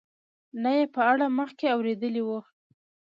نه یې په اړه مخکې اورېدلي وو.